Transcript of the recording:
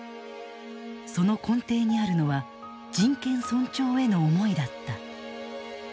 その根底にあるのは人権尊重への思いだった。